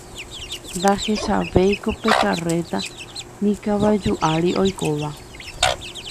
ndahechavéiko pe karréta, ni kavaju ári oikóva.